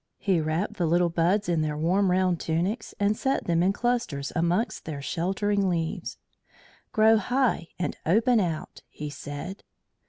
He wrapped the little buds in their warm round tunics and set them in clusters amongst their sheltering leaves. "Grow high and open out," he said.